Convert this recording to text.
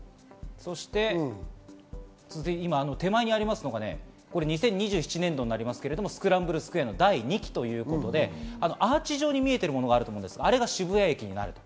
そして、手前にありますのが２０２７年度になりますが、スクランブルスクエアの第２期ということでアーチ状に見えるものがありますが渋谷駅です。